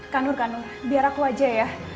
kanur kanur biar aku aja ya